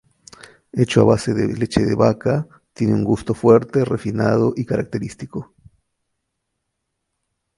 Hecho a base de leche de vaca, tiene un gusto fuerte, refinado y característico.